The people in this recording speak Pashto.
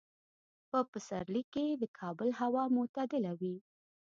په پسرلي کې د کابل هوا معتدله وي.